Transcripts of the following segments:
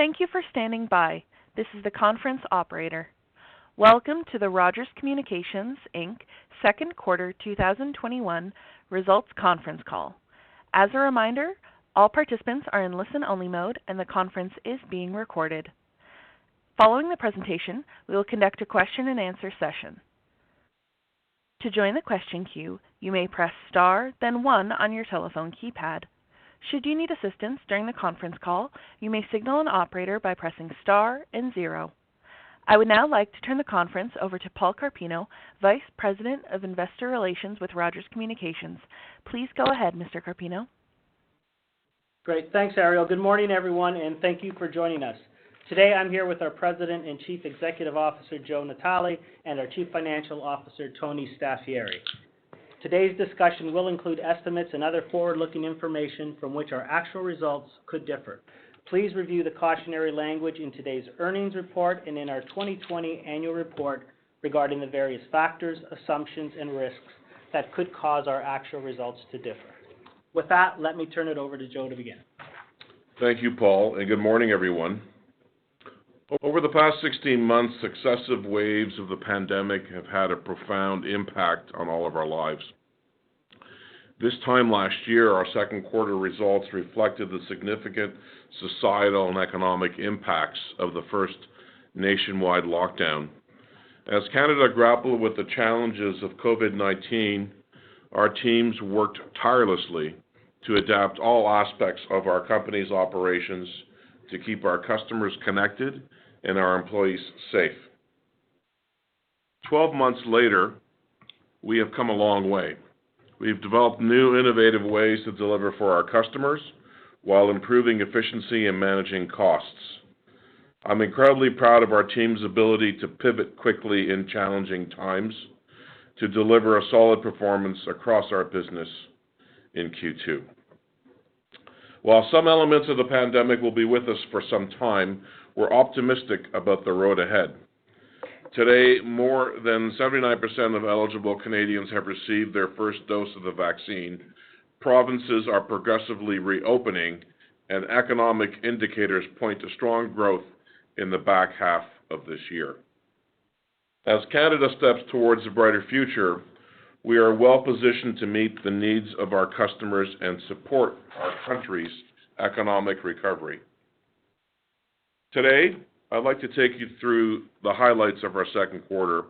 Thank you for standing by. This is the conference operator. Welcome to the Rogers Communications Inc. second quarter 2021 results conference call. As a reminder, all participants are in listen-only mode, and the conference is being recorded. Following the presentation, we will conduct a question-and-answer session. To join the question queue, you may press star then one on your telephone keypad. Should you need assistance during the conference call, you may signal an operator by pressing star and zero. I would now like to turn the conference over to Paul Carpino, Vice President of Investor Relations with Rogers Communications. Please go ahead, Mr. Carpino. Great. Thanks, Ariel. Good morning, everyone, and thank you for joining us. Today, I'm here with our President and Chief Executive Officer, Joe Natale, and our Chief Financial Officer, Tony Staffieri. Today's discussion will include estimates and other forward-looking information from which our actual results could differ. Please review the cautionary language in today's earnings report and in our 2020 annual report regarding the various factors, assumptions, and risks that could cause our actual results to differ. With that, let me turn it over to Joe to begin. Thank you, Paul, and good morning, everyone. Over the past 16 months, successive waves of the pandemic have had a profound impact on all of our lives. This time last year, our second quarter results reflected the significant societal and economic impacts of the first nationwide lockdown. As Canada grappled with the challenges of COVID-19, our teams worked tirelessly to adapt all aspects of our company's operations to keep our customers connected and our employees safe. 12 months later, we have come a long way. We've developed new, innovative ways to deliver for our customers while improving efficiency and managing costs. I'm incredibly proud of our team's ability to pivot quickly in challenging times to deliver a solid performance across our business in Q2. While some elements of the pandemic will be with us for some time, we're optimistic about the road ahead. Today, more than 79% of eligible Canadians have received their first dose of the vaccine, provinces are progressively reopening, and economic indicators point to strong growth in the back half of this year. As Canada steps towards a brighter future, we are well-positioned to meet the needs of our customers and support our country's economic recovery. Today, I'd like to take you through the highlights of our second quarter,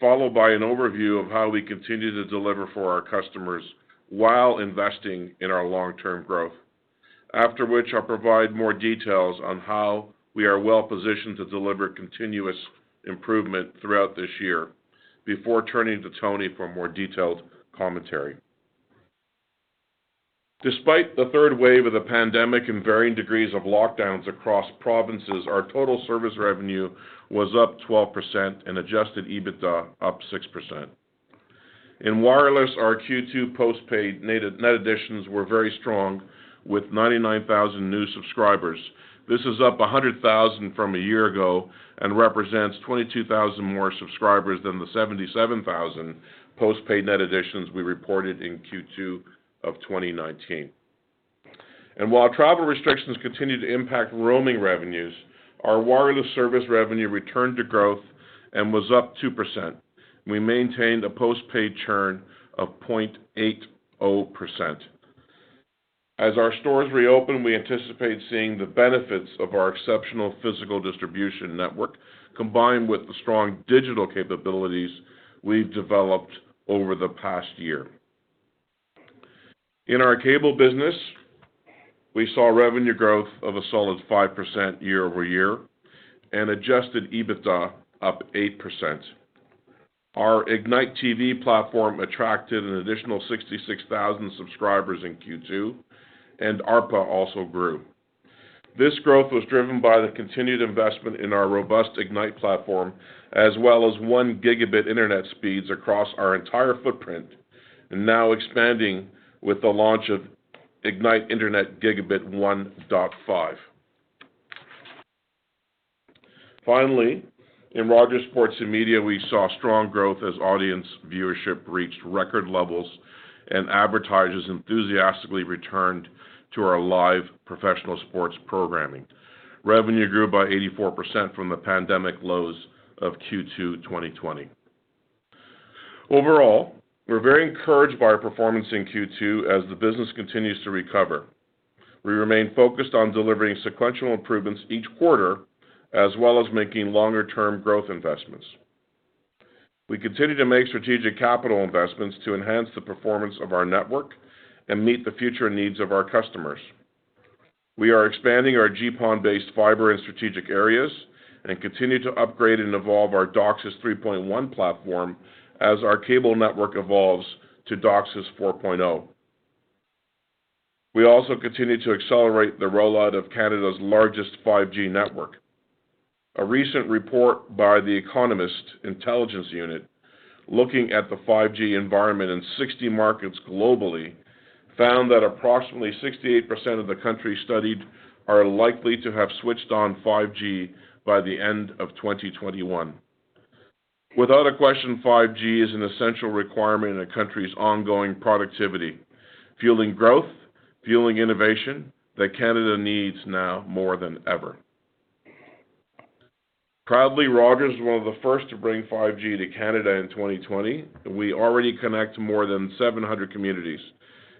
followed by an overview of how we continue to deliver for our customers while investing in our long-term growth. After which, I'll provide more details on how we are well-positioned to deliver continuous improvement throughout this year before turning to Tony for more detailed commentary. Despite the third wave of the pandemic and varying degrees of lockdowns across provinces, our total service revenue was up 12% and adjusted EBITDA up 6%. In wireless, our Q2 postpaid net additions were very strong with 99,000 new subscribers. This is up 100,000 from a year ago and represents 22,000 more subscribers than the 77,000 postpaid net additions we reported in Q2 of 2019. While travel restrictions continue to impact roaming revenues, our wireless service revenue returned to growth and was up 2%. We maintained a postpaid churn of 0.80%. As our stores reopen, we anticipate seeing the benefits of our exceptional physical distribution network, combined with the strong digital capabilities we've developed over the past year. In our cable business, we saw revenue growth of a solid 5% year-over-year and adjusted EBITDA up 8%. Our Ignite TV platform attracted an additional 66,000 subscribers in Q2, ARPA also grew. This growth was driven by the continued investment in our robust Ignite platform as well as 1 Gb internet speeds across our entire footprint and now expanding with the launch of Ignite Internet Gigabit 1.5. Finally, in Rogers Sports & Media, we saw strong growth as audience viewership reached record levels and advertisers enthusiastically returned to our live professional sports programming. Revenue grew by 84% from the pandemic lows of Q2 2020. Overall, we're very encouraged by our performance in Q2 as the business continues to recover. We remain focused on delivering sequential improvements each quarter, as well as making longer-term growth investments. We continue to make strategic capital investments to enhance the performance of our network and meet the future needs of our customers. We are expanding our GPON-based fiber in strategic areas and continue to upgrade and evolve our DOCSIS 3.1 platform as our cable network evolves to DOCSIS 4.0. We also continue to accelerate the rollout of Canada's largest 5G network. A recent report by The Economist Intelligence Unit looking at the 5G environment in 60 markets globally found that approximately 68% of the countries studied are likely to have switched on 5G by the end of 2021. Without a question, 5G is an essential requirement in a country's ongoing productivity, fueling growth, fueling innovation that Canada needs now more than ever. Proudly, Rogers was one of the first to bring 5G to Canada in 2020. We already connect more than 700 communities,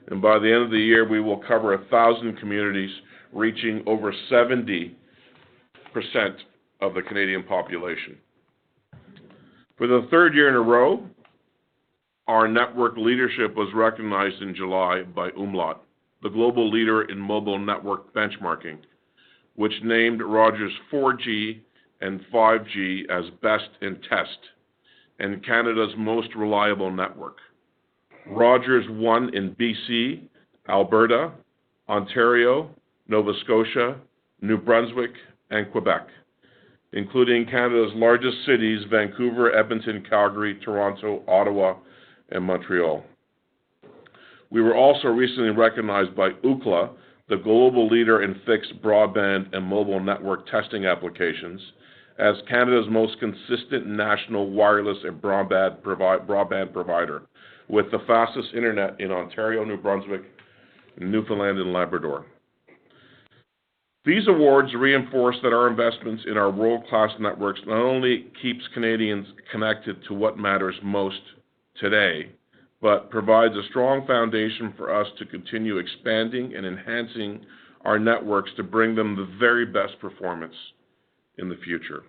and by the end of the year, we will cover 1,000 communities, reaching over 70% of the Canadian population. For the third year in a row, our network leadership was recognized in July by umlaut, the global leader in mobile network benchmarking, which named Rogers 4G and 5G as best in test and Canada's most reliable network. Rogers won in B.C., Alberta, Ontario, Nova Scotia, New Brunswick, and Quebec, including Canada's largest cities, Vancouver, Edmonton, Calgary, Toronto, Ottawa, and Montreal. We were also recently recognized by Ookla, the global leader in fixed broadband and mobile network testing applications, as Canada's most consistent national wireless and broadband provider with the fastest internet in Ontario, New Brunswick, and Newfoundland and Labrador. These awards reinforce that our investments in our world-class networks not only keeps Canadians connected to what matters most today but provides a strong foundation for us to continue expanding and enhancing our networks to bring them the very best performance in the future.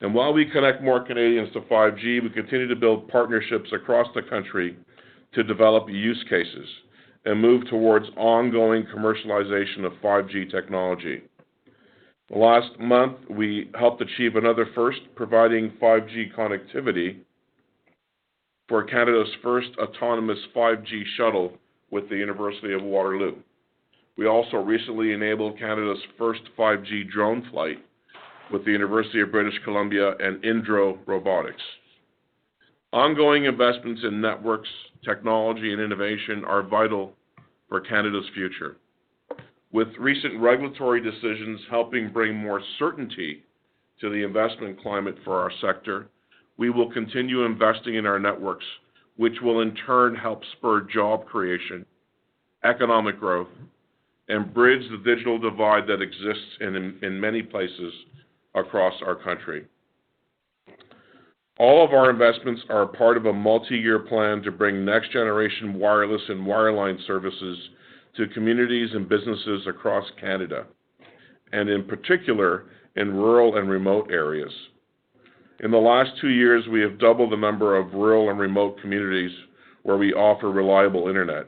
While we connect more Canadians to 5G, we continue to build partnerships across the country to develop use cases and move towards ongoing commercialization of 5G technology. Last month, we helped achieve another first, providing 5G connectivity for Canada's first autonomous 5G shuttle with the University of Waterloo. We also recently enabled Canada's first 5G drone flight with the University of British Columbia and InDro Robotics. Ongoing investments in networks, technology, and innovation are vital for Canada's future. With recent regulatory decisions helping bring more certainty to the investment climate for our sector, we will continue investing in our networks, which will in turn help spur job creation, economic growth, and bridge the digital divide that exists in many places across our country. All of our investments are a part of a multi-year plan to bring next-generation wireless and wireline services to communities and businesses across Canada, and in particular, in rural and remote areas. In the last 2 years, we have doubled the number of rural and remote communities where we offer reliable internet.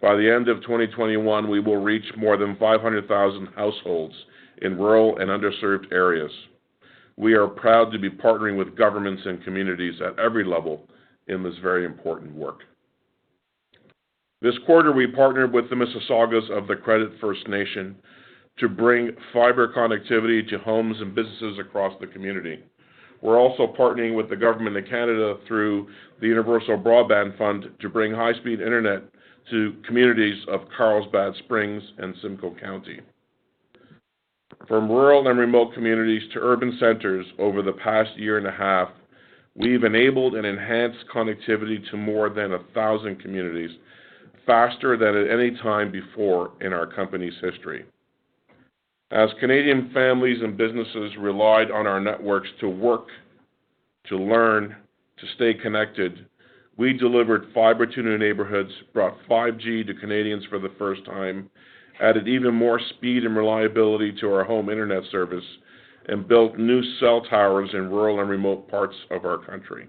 By the end of 2021, we will reach more than 500,000 households in rural and underserved areas. We are proud to be partnering with governments and communities at every level in this very important work. This quarter, we partnered with the Mississaugas of the Credit First Nation to bring fiber connectivity to homes and businesses across the community. We are also partnering with the government of Canada through the Universal Broadband Fund to bring high-speed internet to communities of Carlsbad Springs and Simcoe County. From rural and remote communities to urban centers over the past year and a half, we've enabled and enhanced connectivity to more than 1,000 communities faster than at any time before in our company's history. As Canadian families and businesses relied on our networks to work, to learn, to stay connected, we delivered fiber to new neighborhoods, brought 5G to Canadians for the first time, added even more speed and reliability to our home internet service, and built new cell towers in rural and remote parts of our country.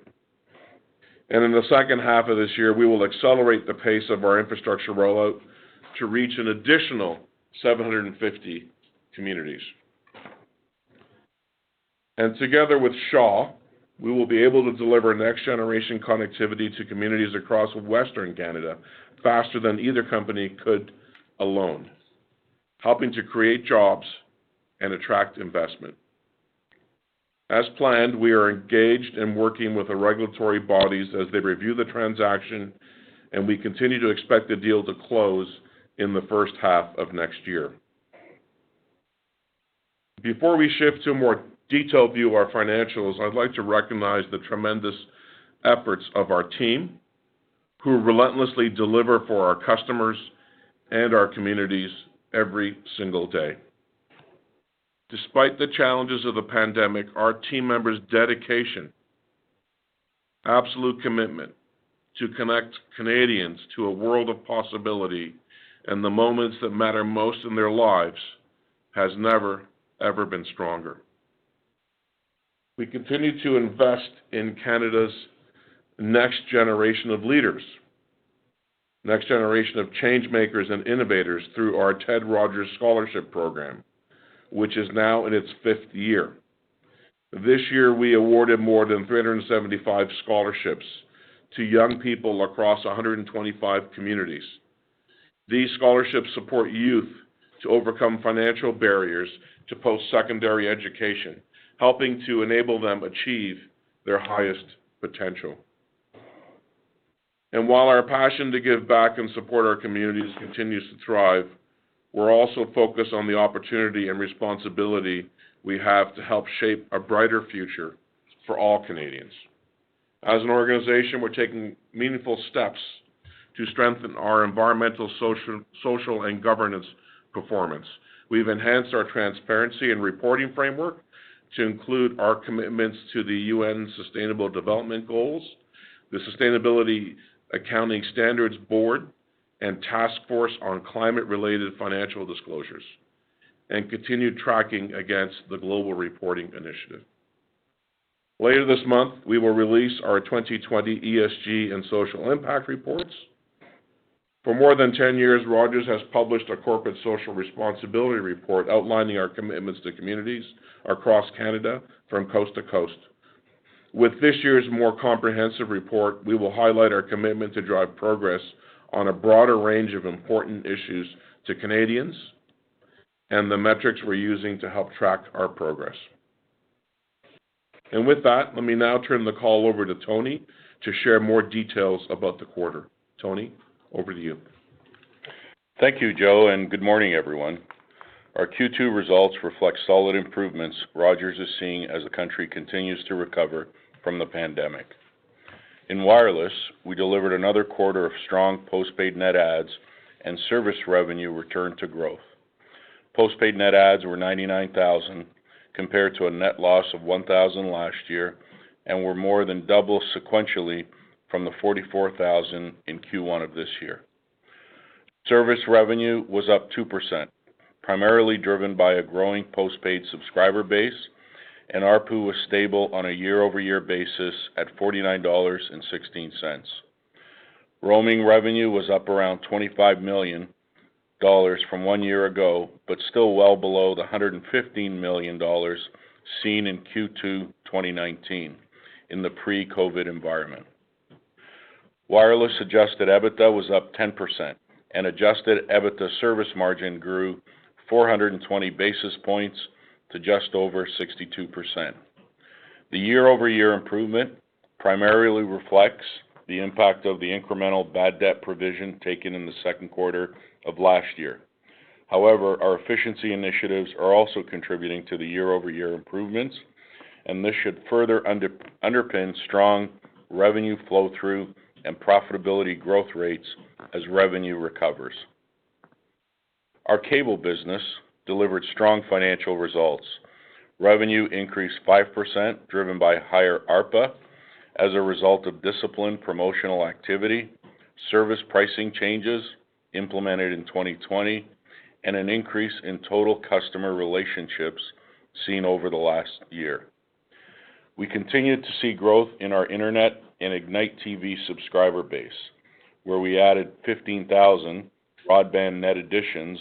In the second half of this year, we will accelerate the pace of our infrastructure rollout to reach an additional 750 communities. Together with Shaw, we will be able to deliver next-generation connectivity to communities across western Canada faster than either company could alone, helping to create jobs and attract investment. As planned, we are engaged and working with the regulatory bodies as they review the transaction. We continue to expect the deal to close in the first half of next year. Before we shift to a more detailed view of our financials, I'd like to recognize the tremendous efforts of our team who relentlessly deliver for our customers and our communities every single day. Despite the challenges of the pandemic, our team member's dedication, absolute commitment to connect Canadians to a world of possibility and the moments that matter most in their lives has never, ever been stronger. We continue to invest in Canada's next generation of leaders, next generation of change-makers, and innovators through our Ted Rogers Scholarships program, which is now in its fifth year. This year, we awarded more than 375 scholarships to young people across 125 communities. These scholarships support youth to overcome financial barriers to post-secondary education, helping to enable them achieve their highest potential. While our passion to give back and support our communities continues to thrive, we're also focused on the opportunity and responsibility we have to help shape a brighter future for all Canadians. As an organization, we're taking meaningful steps to strengthen our environmental, social, and governance performance. We've enhanced our transparency and reporting framework to include our commitments to the UN Sustainable Development Goals, the Sustainability Accounting Standards Board, and Task Force on Climate-related Financial Disclosures, and continued tracking against the Global Reporting Initiative. Later this month, we will release our 2020 ESG and social impact reports. For more than 10 years, Rogers has published a corporate social responsibility report outlining our commitments to communities across Canada from coast to coast. With this year's more comprehensive report, we will highlight our commitment to drive progress on a broader range of important issues to Canadians and the metrics we're using to help track our progress. With that, let me now turn the call over to Tony to share more details about the quarter. Tony, over to you. Thank you, Joe. Good morning, everyone. Our Q2 results reflect solid improvements Rogers is seeing as the country continues to recover from the pandemic. In wireless, we delivered another quarter of strong postpaid net adds and service revenue return to growth. Postpaid net adds were 99,000 compared to a net loss of 1,000 last year and were more than double sequentially from the 44,000 in Q1 of this year. Service revenue was up 2%, primarily driven by a growing postpaid subscriber base, and ARPU was stable on a year-over-year basis at 49.16 dollars. Roaming revenue was up around 25 million dollars from one year ago, but still well below the 115 million dollars seen in Q2 2019 in the pre-COVID environment. Wireless adjusted EBITDA was up 10% and adjusted EBITDA service margin grew 420 basis points to just over 62%. The year-over-year improvement primarily reflects the impact of the incremental bad debt provision taken in the second quarter of last year. However, our efficiency initiatives are also contributing to the year-over-year improvements, and this should further underpin strong revenue flow-through and profitability growth rates as revenue recovers. Our cable business delivered strong financial results. Revenue increased 5%, driven by higher ARPA as a result of disciplined promotional activity, service pricing changes implemented in 2020, and an increase in total customer relationships seen over the last year. We continued to see growth in our internet and Ignite TV subscriber base, where we added 15,000 broadband net additions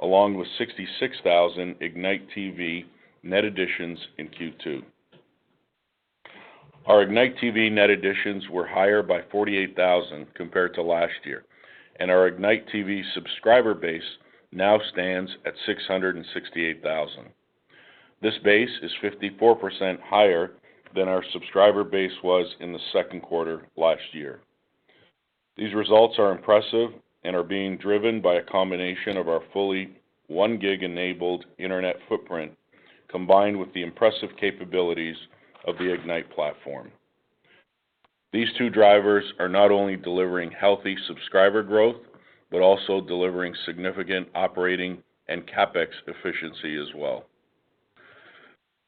along with 66,000 Ignite TV net additions in Q2. Our Ignite TV net additions were higher by 48,000 compared to last year, and our Ignite TV subscriber base now stands at 668,000. This base is 54% higher than our subscriber base was in the second quarter last year. These results are impressive and are being driven by a combination of our fully 1 gig-enabled internet footprint, combined with the impressive capabilities of the Ignite platform. These two drivers are not only delivering healthy subscriber growth, but also delivering significant operating and CapEx efficiency as well.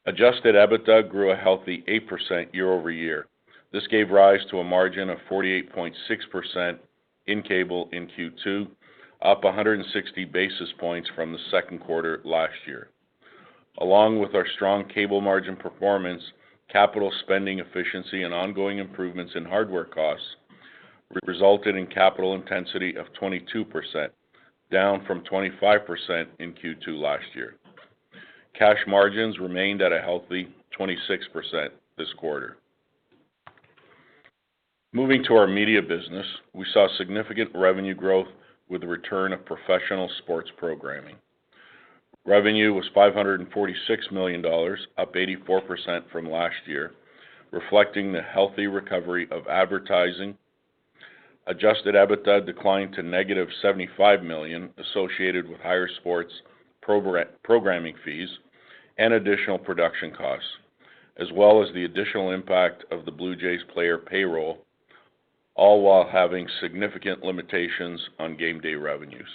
Adjusted EBITDA grew a healthy 8% year-over-year. This gave rise to a margin of 48.6% in cable in Q2, up 160 basis points from the second quarter last year. Along with our strong cable margin performance, capital spending efficiency and ongoing improvements in hardware costs resulted in capital intensity of 22%, down from 25% in Q2 last year. Cash margins remained at a healthy 26% this quarter. Moving to our media business, we saw significant revenue growth with the return of professional sports programming. Revenue was 546 million dollars, up 84% from last year, reflecting the healthy recovery of advertising. Adjusted EBITDA declined to negative 75 million associated with higher sports programming fees and additional production costs, as well as the additional impact of the Blue Jays player payroll, all while having significant limitations on game day revenues.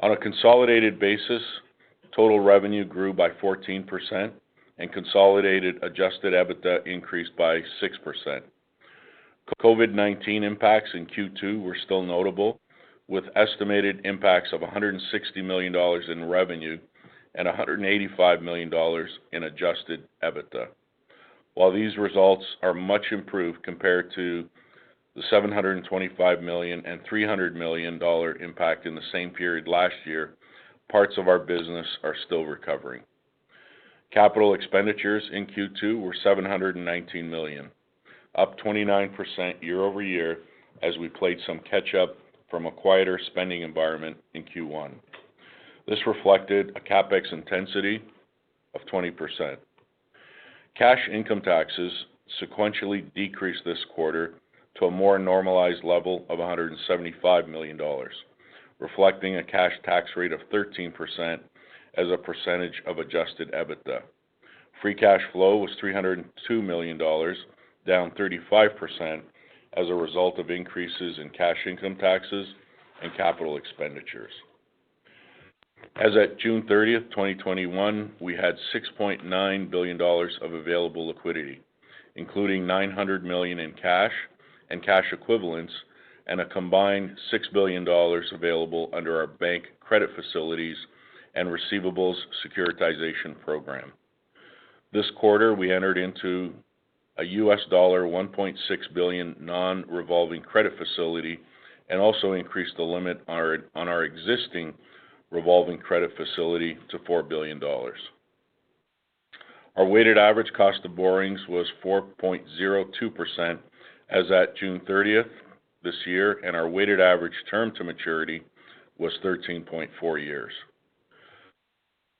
On a consolidated basis, total revenue grew by 14% and consolidated adjusted EBITDA increased by 6%. COVID-19 impacts in Q2 were still notable, with estimated impacts of 160 million dollars in revenue and 185 million dollars in adjusted EBITDA. While these results are much improved compared to the 725 million and 300 million dollar impact in the same period last year, parts of our business are still recovering. CapEx in Q2 were CAD 719 million, up 29% year-over-year as we played some catch-up from a quieter spending environment in Q1. This reflected a CapEx intensity of 20%. Cash income taxes sequentially decreased this quarter to a more normalized level of 175 million dollars, reflecting a cash tax rate of 13% as a percentage of adjusted EBITDA. Free cash flow was 302 million dollars, down 35% as a result of increases in cash income taxes and capital expenditures. As at June 30th, 2021, we had 6.9 billion dollars of available liquidity, including 900 million in cash and cash equivalents, and a combined 6 billion dollars available under our bank credit facilities and receivables securitization program. This quarter, we entered into a U.S. $1.6 billion non-revolving credit facility and also increased the limit on our existing revolving credit facility to 4 billion dollars. Our weighted average cost of borrowings was 4.02% as at June 30th this year, and our weighted average term to maturity was 13.4 years.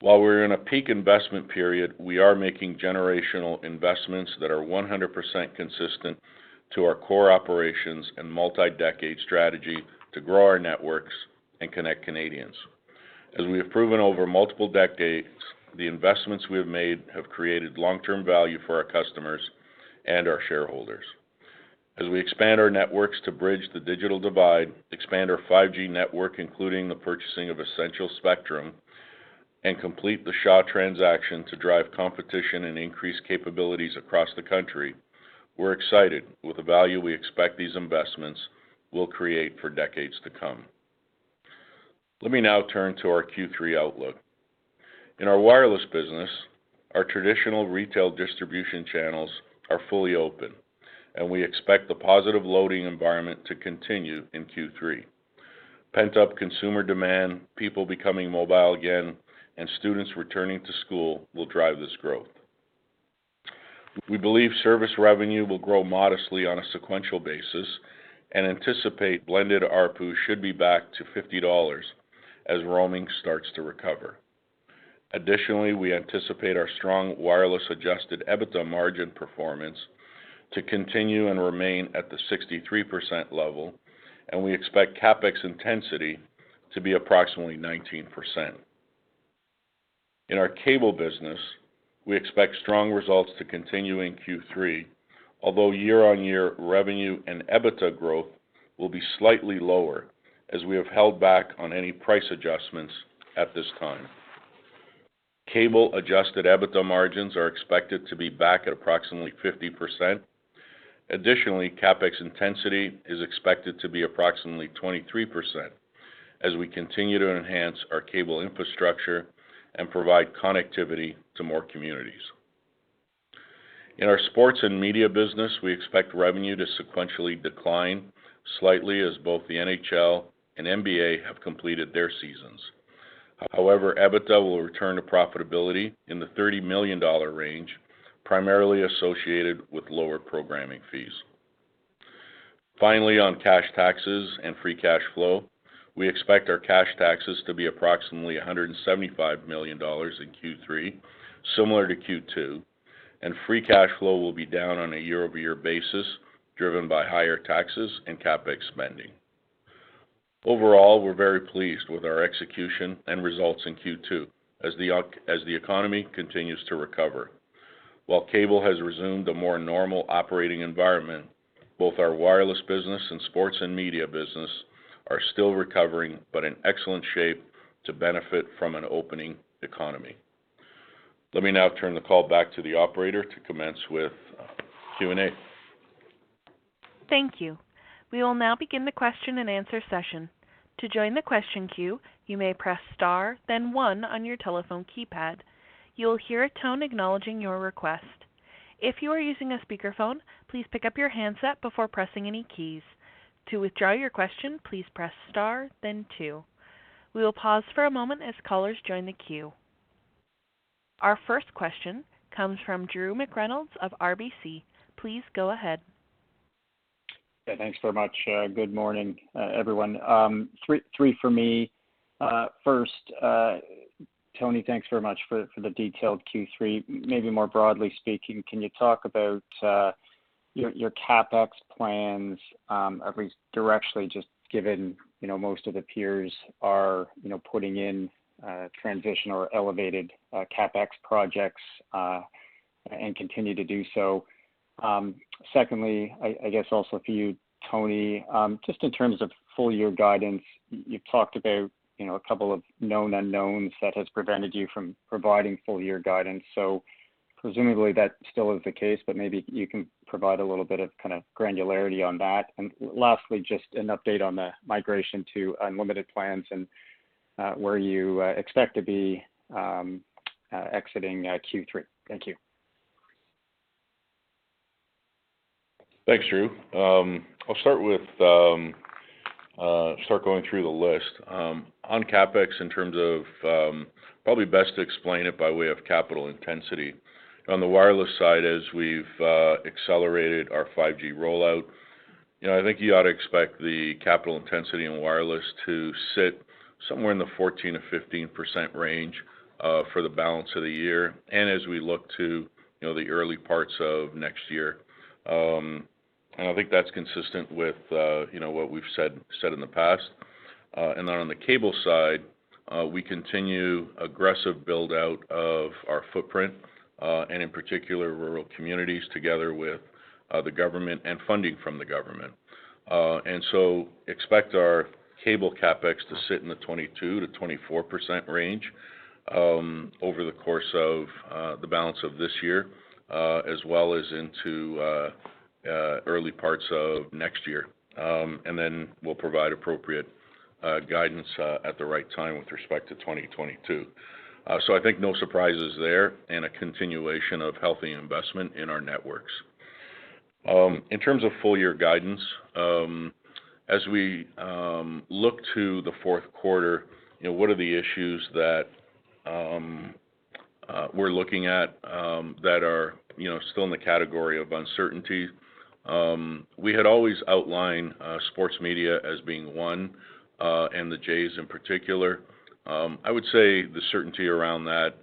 While we're in a peak investment period, we are making generational investments that are 100% consistent to our core operations and multi-decade strategy to grow our networks and connect Canadians. As we have proven over multiple decades, the investments we have made have created long-term value for our customers and our shareholders. As we expand our networks to bridge the digital divide, expand our 5G network, including the purchasing of essential spectrum, and complete the Shaw transaction to drive competition and increase capabilities across the country, we're excited with the value we expect these investments will create for decades to come. Let me now turn to our Q3 outlook. In our wireless business, our traditional retail distribution channels are fully open, and we expect the positive loading environment to continue in Q3. Pent-up consumer demand, people becoming mobile again, and students returning to school will drive this growth. We believe service revenue will grow modestly on a sequential basis and anticipate blended ARPU should be back to 50 dollars as roaming starts to recover. Additionally, we anticipate our strong wireless adjusted EBITDA margin performance to continue and remain at the 63% level, and we expect CapEx intensity to be approximately 19%. In our cable business, we expect strong results to continue in Q3, although year-on-year revenue and EBITDA growth will be slightly lower as we have held back on any price adjustments at this time. Cable adjusted EBITDA margins are expected to be back at approximately 50%. Additionally, CapEx intensity is expected to be approximately 23% as we continue to enhance our cable infrastructure and provide connectivity to more communities. In our sports and media business, we expect revenue to sequentially decline slightly as both the NHL and NBA have completed their seasons. EBITDA will return to profitability in the 30 million dollar range, primarily associated with lower programming fees. On cash taxes and free cash flow, we expect our cash taxes to be approximately 175 million dollars in Q3, similar to Q2, and free cash flow will be down on a year-over-year basis, driven by higher taxes and CapEx spending. We're very pleased with our execution and results in Q2 as the economy continues to recover. Cable has resumed a more normal operating environment, both our wireless business and sports and media business are still recovering, but in excellent shape to benefit from an opening economy. Turn the call back to the operator to commence with Q&A. Thank you. We will now begin the question-and-answer session. Our first question comes from Drew McReynolds of RBC. Please go ahead. Yeah, thanks very much. Good morning, everyone. Three for me. First, Tony, thanks very much for the detailed Q3. Maybe more broadly speaking, can you talk about your CapEx plans directionally, just given most of the peers are putting in transition or elevated CapEx projects, and continue to do so. Secondly, I guess also for you, Tony, just in terms of full-year guidance, you've talked about a couple of known unknowns that has prevented you from providing full-year guidance. Presumably that still is the case. Maybe you can provide a little bit of granularity on that. Lastly, just an update on the migration to unlimited plans and where you expect to be exiting Q3. Thank you. Thanks, Drew. I'll start going through the list. On CapEx, probably best to explain it by way of capital intensity. On the wireless side, as we've accelerated our 5G rollout, I think you ought to expect the capital intensity in wireless to sit somewhere in the 14%-15% range for the balance of the year and as we look to the early parts of next year. I think that's consistent with what we've said in the past. On the cable side, we continue aggressive build-out of our footprint, and in particular, rural communities together with the government and funding from the government. Expect our cable CapEx to sit in the 22%-24% range over the course of the balance of this year, as well as into early parts of next year. We'll provide appropriate guidance at the right time with respect to 2022. I think no surprises there and a continuation of healthy investment in our networks. In terms of full-year guidance, as we look to the fourth quarter, what are the issues that we're looking at that are still in the category of uncertainty? We had always outlined sports media as being one, and the Jays in particular. I would say the certainty around that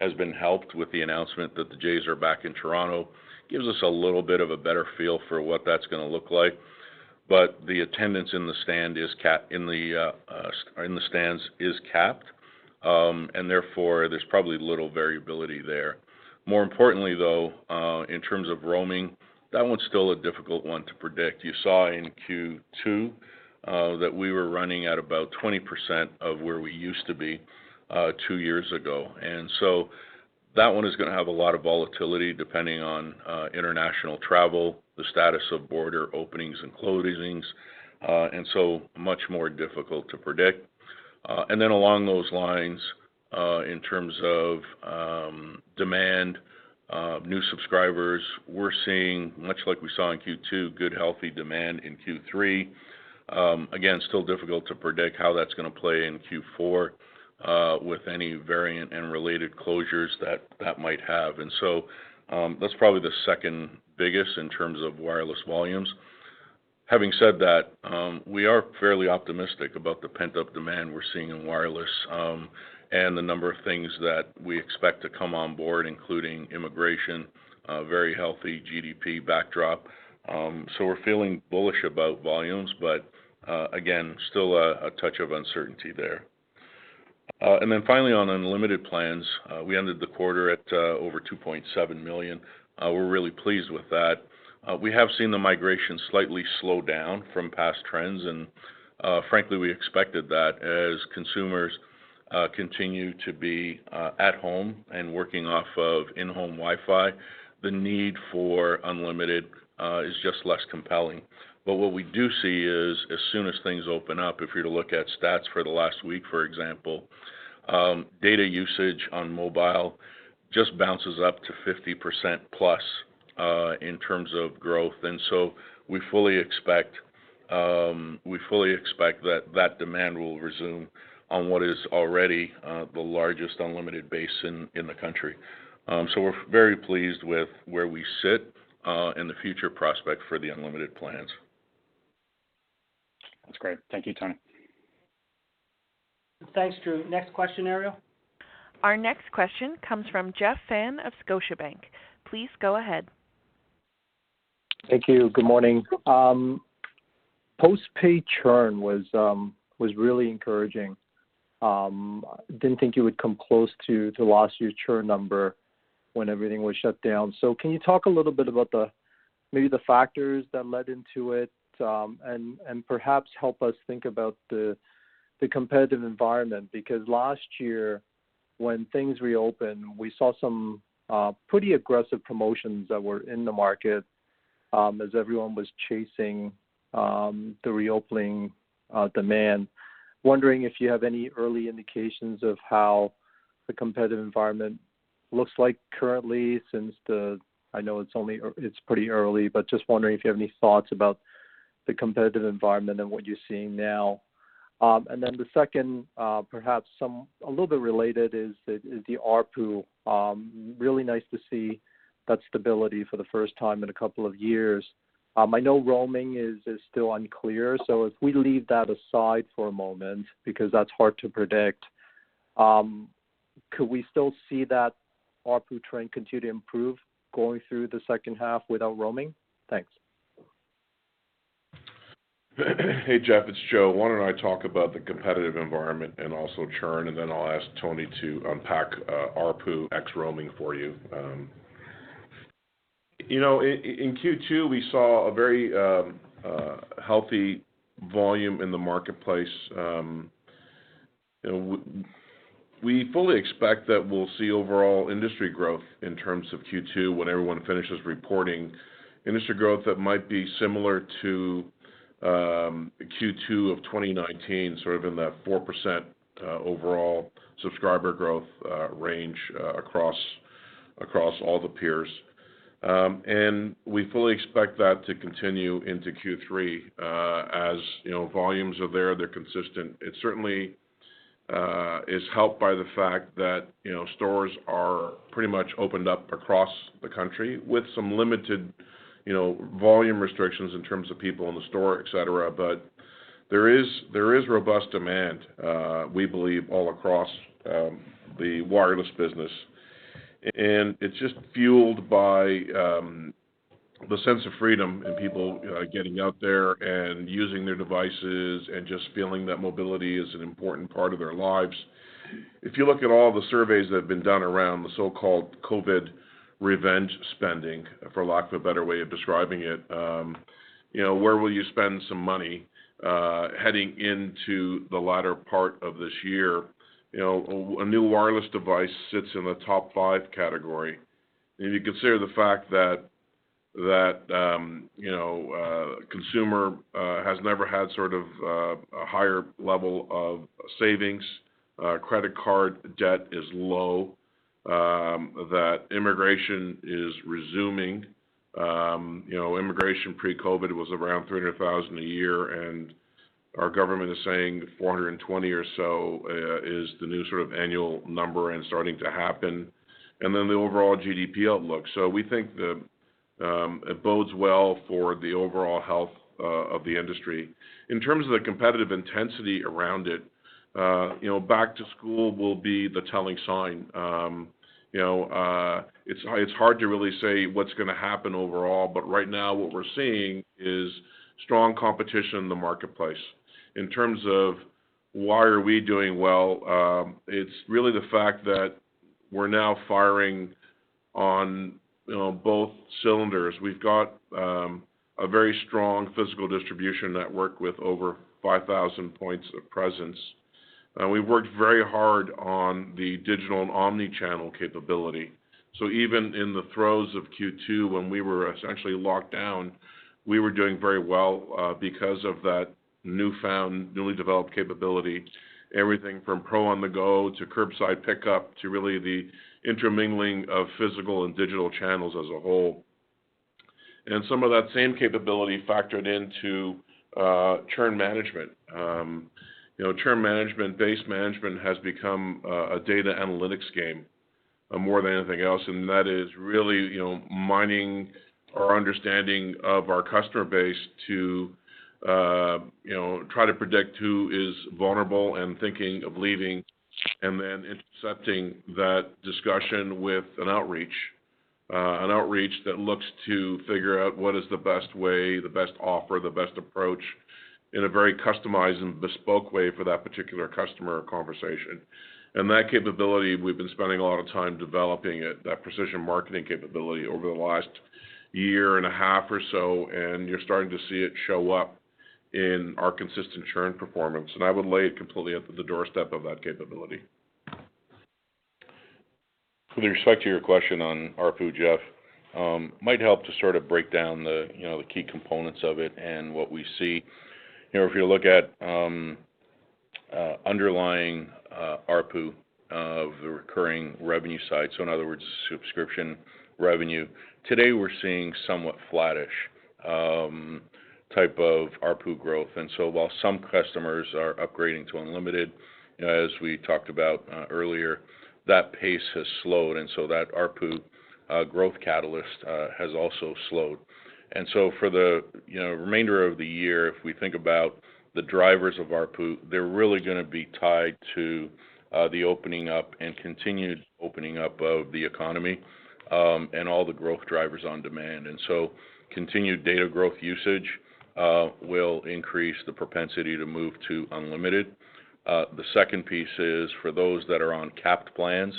has been helped with the announcement that the Jays are back in Toronto. Gives us a little bit of a better feel for what that's going to look like. The attendance in the stands is capped, and therefore, there's probably little variability there. More importantly, though, in terms of roaming, that one's still a difficult one to predict. You saw in Q2 that we were running at about 20% of where we used to be 2 years ago. That one is going to have a lot of volatility depending on international travel, the status of border openings and closings, and so much more difficult to predict. Along those lines, in terms of demand, new subscribers, we're seeing much like we saw in Q2, good, healthy demand in Q3. Again, still difficult to predict how that's going to play in Q4 with any variant and related closures that might have. That's probably the second biggest in terms of wireless volumes. Having said that, we are fairly optimistic about the pent-up demand we're seeing in wireless and the number of things that we expect to come on board, including immigration, very healthy GDP backdrop. We're feeling bullish about volumes, but again, still a touch of uncertainty there. Finally, on unlimited plans, we ended the quarter at over 2.7 million. We're really pleased with that. We have seen the migration slightly slow down from past trends, and frankly, we expected that. As consumers continue to be at home and working off of in-home Wi-Fi, the need for unlimited is just less compelling. What we do see is as soon as things open up, if you're to look at stats for the last week, for example, data usage on mobile just bounces up to 50%+ in terms of growth. We fully expect that that demand will resume on what is already the largest unlimited base in the country. We're very pleased with where we sit and the future prospect for the unlimited plans. That's great. Thank you, Tony. Thanks, Drew. Next question, Ariel. Our next question comes from Jeff Fan of Scotiabank. Please go ahead. Thank you. Good morning. Post-paid churn was really encouraging. Didn't think it would come close to last year's churn number when everything was shut down. Can you talk a little bit about maybe the factors that led into it and perhaps help us think about the competitive environment? Because last year when things reopened, we saw some pretty aggressive promotions that were in the market as everyone was chasing the reopening demand. Wondering if you have any early indications of how the competitive environment looks like currently. I know it's pretty early, but just wondering if you have any thoughts about the competitive environment and what you're seeing now. The second, perhaps a little bit related, is the ARPU. Really nice to see that stability for the first time in a couple of years. I know roaming is still unclear, so if we leave that aside for a moment, because that's hard to predict, could we still see that ARPU trend continue to improve going through the second half without roaming? Thanks. Hey, Jeff, it's Joe. Why don't I talk about the competitive environment and also churn, and then I'll ask Tony to unpack ARPU ex roaming for you. In Q2, we saw a very healthy volume in the marketplace. We fully expect that we'll see overall industry growth in terms of Q2 when everyone finishes reporting. Industry growth that might be similar to Q2 of 2019, sort of in that 4% overall subscriber growth range across all the peers. We fully expect that to continue into Q3. As volumes are there, they're consistent. is helped by the fact that stores are pretty much opened up across the country with some limited volume restrictions in terms of people in the store, et cetera. There is robust demand, we believe, all across the wireless business. It's just fueled by the sense of freedom in people getting out there and using their devices and just feeling that mobility is an important part of their lives. If you look at all the surveys that have been done around the so-called COVID revenge spending, for lack of a better way of describing it, where will you spend some money heading into the latter part of this year? A new wireless device sits in the top 5 category. If you consider the fact that consumer has never had a higher level of savings, credit card debt is low, that immigration is resuming. Immigration pre-COVID was around 300,000 a year, and our government is saying 420 or so is the new sort of annual number and starting to happen. The overall GDP outlook. We think that it bodes well for the overall health of the industry. In terms of the competitive intensity around it, back to school will be the telling sign. It's hard to really say what's going to happen overall, but right now what we're seeing is strong competition in the marketplace. In terms of why are we doing well, it's really the fact that we're now firing on both cylinders. We've got a very strong physical distribution network with over 5,000 points of presence. We've worked very hard on the digital and omni-channel capability. Even in the throes of Q2 when we were essentially locked down, we were doing very well because of that newfound, newly developed capability. Everything from Pro on the Go, to curbside pickup, to really the intermingling of physical and digital channels as a whole. Some of that same capability factored into churn management. Churn management, base management, has become a data analytics game more than anything else, and that is really mining our understanding of our customer base to try to predict who is vulnerable and thinking of leaving, and then intercepting that discussion with an outreach. An outreach that looks to figure out what is the best way, the best offer, the best approach in a very customized and bespoke way for that particular customer conversation. That capability, we've been spending a lot of time developing it, that precision marketing capability, over the last year and a half or so, and you're starting to see it show up in our consistent churn performance. I would lay it completely at the doorstep of that capability. With respect to your question on ARPU, Jeff, might help to sort of break down the key components of it and what we see. If you look at underlying ARPU of the recurring revenue side, so in other words, subscription revenue, today, we're seeing somewhat flattish type of ARPU growth. While some customers are upgrading to unlimited, as we talked about earlier, that pace has slowed, that ARPU growth catalyst has also slowed. For the remainder of the year, if we think about the drivers of ARPU, they're really going to be tied to the opening up and continued opening up of the economy, and all the growth drivers on demand. Continued data growth usage will increase the propensity to move to unlimited. The second piece is for those that are on capped plans,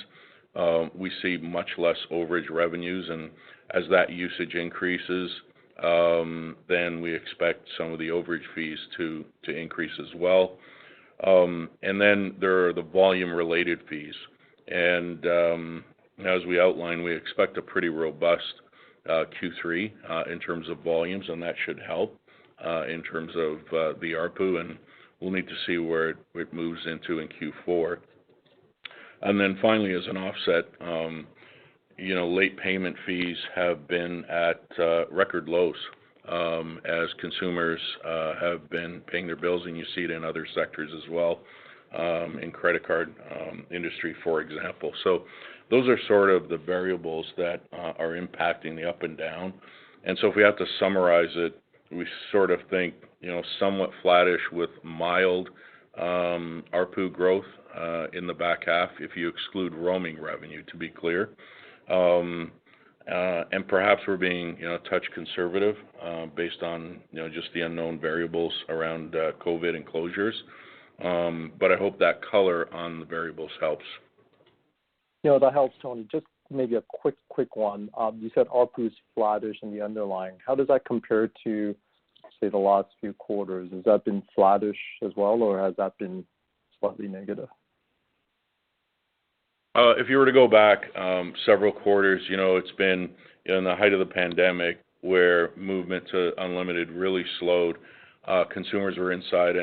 we see much less overage revenues, and as that usage increases, then we expect some of the overage fees to increase as well. There are the volume-related fees. As we outlined, we expect a pretty robust Q3 in terms of volumes, and that should help in terms of the ARPU, and we'll need to see where it moves into in Q4. Finally, as an offset, late payment fees have been at record lows as consumers have been paying their bills, and you see it in other sectors as well, in credit card industry, for example. Those are sort of the variables that are impacting the up and down. If we have to summarize it, we sort of think somewhat flattish with mild ARPU growth in the back half, if you exclude roaming revenue, to be clear. Perhaps we're being a touch conservative based on just the unknown variables around COVID and closures. I hope that color on the variables helps. Yeah, that helps, Tony. Maybe a quick one. You said ARPU's flattish in the underlying. How does that compare to, say, the last few quarters? Has that been flattish as well, or has that been slightly negative? If you were to go back several quarters, it's been in the height of the pandemic where movement to unlimited really slowed. Consumers were inside.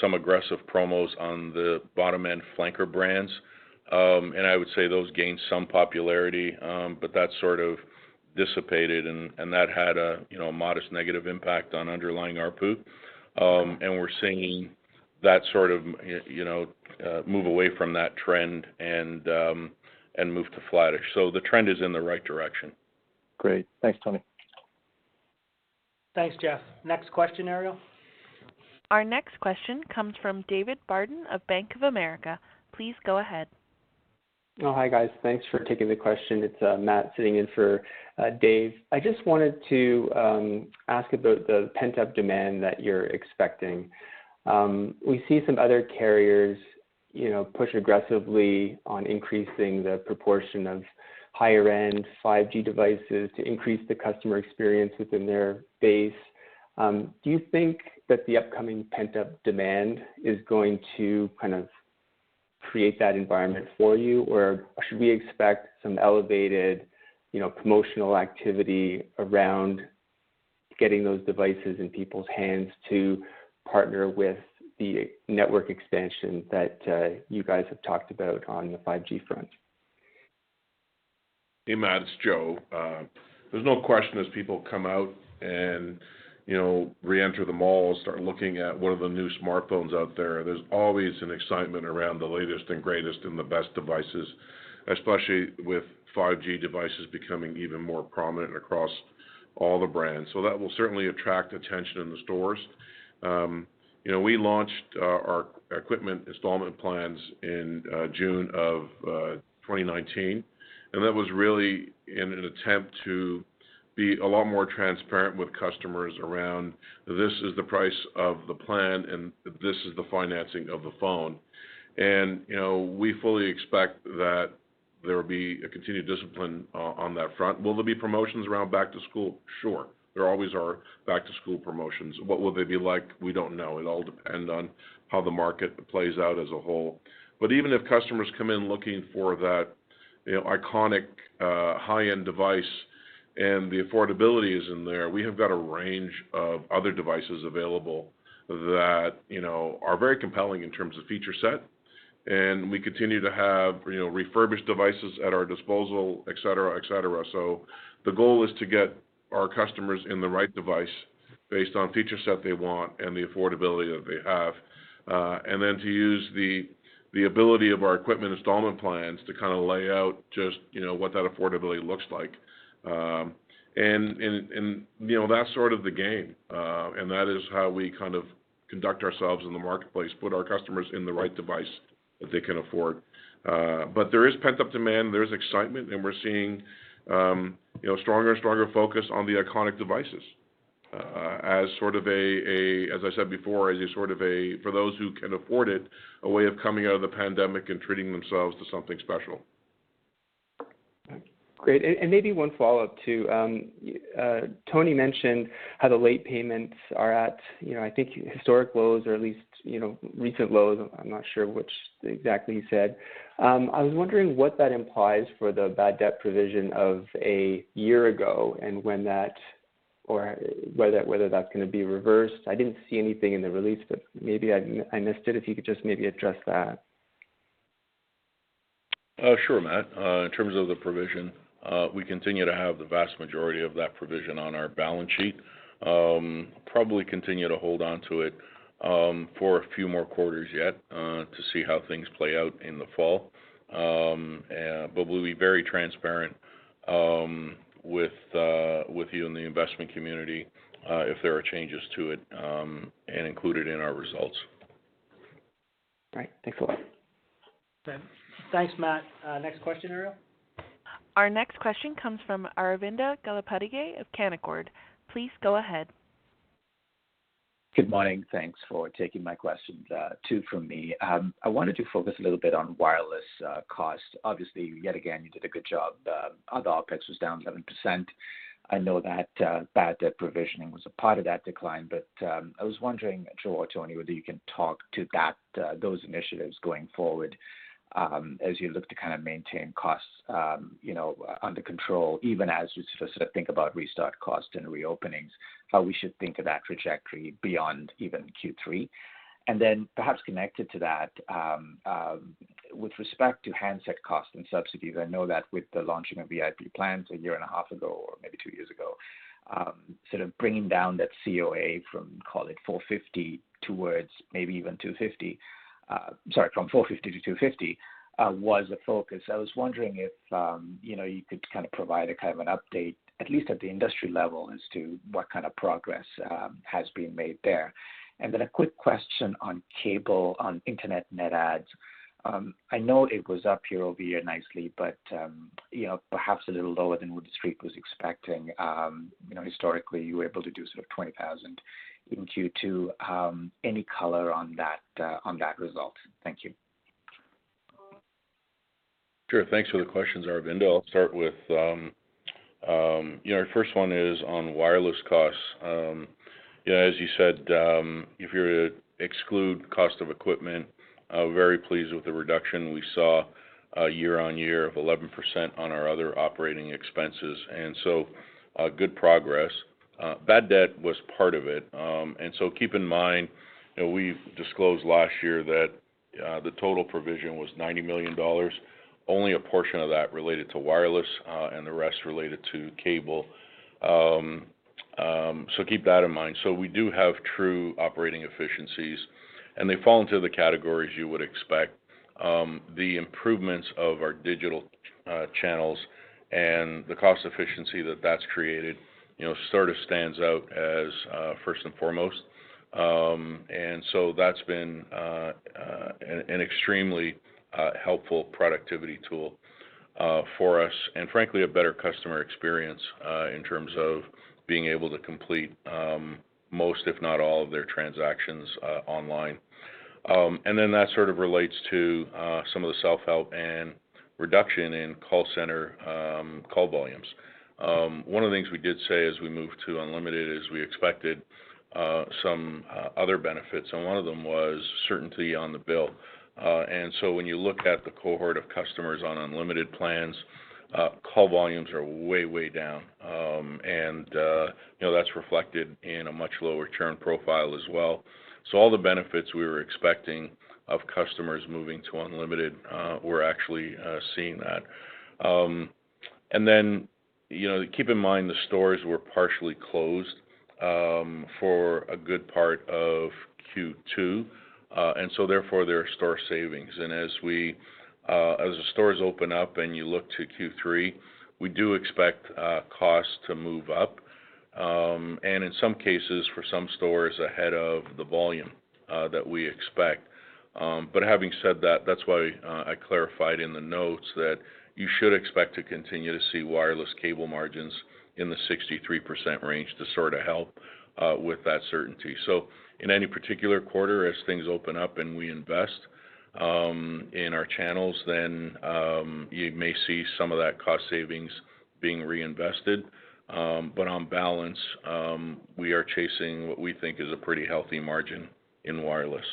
Some aggressive promos on the bottom-end flanker brands. I would say those gained some popularity, but that sort of dissipated and that had a modest negative impact on underlying ARPU. We're seeing that sort of move away from that trend and move to flattish. The trend is in the right direction. Great. Thanks, Tony. Thanks, Jeff. Next question, Ariel. Our next question comes from David Barden of Bank of America. Please go ahead. Hi guys. Thanks for taking the question. It's Matt sitting in for David. I just wanted to ask about the pent-up demand that you're expecting. We see some other carriers push aggressively on increasing the proportion of higher-end 5G devices to increase the customer experience within their base. Do you think that the upcoming pent-up demand is going to create that environment for you, or should we expect some elevated promotional activity around getting those devices in people's hands to partner with the network expansion that you guys have talked about on the 5G front? Hey, Matt, it's Joe. There's no question as people come out and reenter the malls, start looking at what are the new smartphones out there's always an excitement around the latest and greatest and the best devices, especially with 5G devices becoming even more prominent across all the brands. That will certainly attract attention in the stores. We launched our equipment installment plans in June of 2019, that was really in an attempt to be a lot more transparent with customers around, this is the price of the plan and this is the financing of the phone. We fully expect that there will be a continued discipline on that front. Will there be promotions around back to school? Sure. There always are back to school promotions. What will they be like? We don't know. It all depend on how the market plays out as a whole. Even if customers come in looking for that iconic high-end device and the affordability is in there, we have got a range of other devices available that are very compelling in terms of feature set. We continue to have refurbished devices at our disposal, et cetera. The goal is to get our customers in the right device based on feature set they want and the affordability that they have. Then to use the ability of our equipment installment plans to lay out just what that affordability looks like. That's sort of the game, and that is how we conduct ourselves in the marketplace, put our customers in the right device that they can afford. There is pent-up demand, there is excitement, and we're seeing stronger and stronger focus on the iconic devices as sort of a, as I said before, as a sort of a, for those who can afford it, a way of coming out of the pandemic and treating themselves to something special. Great. Maybe one follow-up too. Tony mentioned how the late payments are at, I think, historic lows or at least recent lows. I'm not sure which exactly he said. I was wondering what that implies for the bad debt provision of a year ago, and whether that's going to be reversed. I didn't see anything in the release, but maybe I missed it, if you could just maybe address that. Sure, Matt. In terms of the provision, we continue to have the vast majority of that provision on our balance sheet. Probably continue to hold onto it for a few more quarters yet to see how things play out in the fall. We'll be very transparent with you in the investment community if there are changes to it and include it in our results. All right. Thanks a lot. Thanks, Matt. Next question, Ariel. Our next question comes from Aravinda Galappatthige of Canaccord. Please go ahead. Good morning. Thanks for taking my questions. Two from me. I wanted to focus a little bit on wireless costs. Obviously, yet again, you did a good job. Other OpEx was down 7%. I know that bad debt provisioning was a part of that decline, but I was wondering, Joe or Tony, whether you can talk to those initiatives going forward as you look to maintain costs under control, even as you sort of think about restart costs and reopenings, how we should think of that trajectory beyond even Q3. Perhaps connected to that, with respect to handset costs and subsidies, I know that with the launching of EIP plans a year and a half ago, or maybe two years ago, sort of bringing down that COA from, call it 450 towards maybe even 250. Sorry, from 450 to 250 was a focus. I was wondering if you could provide a kind of an update, at least at the industry level, as to what kind of progress has been made there. Then a quick question on cable, on Internet net adds. I know it was up year-over-year nicely, perhaps a little lower than what the Street was expecting. Historically, you were able to do sort of 20,000 in Q2. Any color on that result? Thank you. Sure. Thanks for the questions, Aravinda. Your first one is on wireless costs. As you said, if you were to exclude cost of equipment, very pleased with the reduction we saw year-on-year of 11% on our other operating expenses. Good progress. Bad debt was part of it. Keep in mind, we've disclosed last year that the total provision was 90 million dollars. Only a portion of that related to wireless, and the rest related to cable. Keep that in mind. We do have true operating efficiencies, and they fall into the categories you would expect. The improvements of our digital channels and the cost efficiency that that's created sort of stands out as first and foremost. That's been an extremely helpful productivity tool for us and frankly, a better customer experience in terms of being able to complete most, if not all, of their transactions online. That sort of relates to some of the self-help and reduction in call center call volumes. One of the things we did say as we moved to unlimited is we expected some other benefits, and one of them was certainty on the bill. When you look at the cohort of customers on unlimited plans, call volumes are way down. That's reflected in a much lower churn profile as well. All the benefits we were expecting of customers moving to unlimited, we're actually seeing that. Keep in mind the stores were partially closed for a good part of Q2, therefore there are store savings. As the stores open up and you look to Q3, we do expect costs to move up, and in some cases for some stores ahead of the volume that we expect. Having said that's why I clarified in the notes that you should expect to continue to see wireless cable margins in the 63% range to sort of help with that certainty. In any particular quarter, as things open up and we invest in our channels, you may see some of that cost savings being reinvested. On balance, we are chasing what we think is a pretty healthy margin in wireless.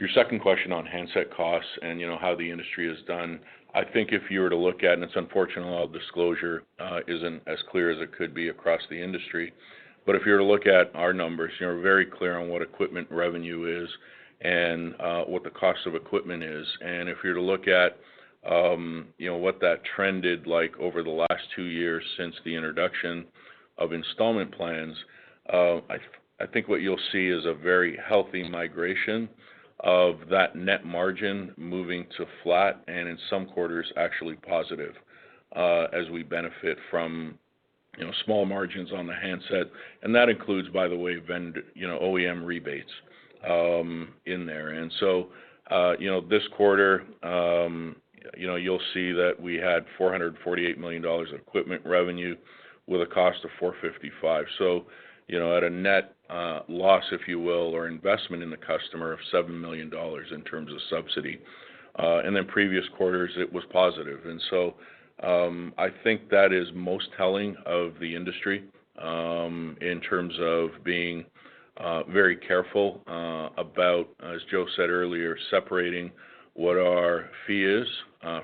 Your second question on handset costs and how the industry has done, I think if you were to look at, and it's unfortunate a lot of disclosure isn't as clear as it could be across the industry, but if you were to look at our numbers, we're very clear on what equipment revenue is and what the cost of equipment is. If you were to look at what that trended like over the last two years since the introduction of installment plans, I think what you'll see is a very healthy migration of that net margin moving to flat and in some quarters actually positive as we benefit from small margins on the handset. That includes, by the way, OEM rebates in there. This quarter, you'll see that we had 448 million dollars of equipment revenue with a cost of 455. At a net loss, if you will, or investment in the customer of 7 million dollars in terms of subsidy. In previous quarters it was positive. I think that is most telling of the industry, in terms of being very careful about, as Joe said earlier, separating what our fee is